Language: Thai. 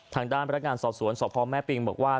ทางด้านพนักงานสอบสวนสพแม่ปิงบอกว่า